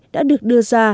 đã được đưa ra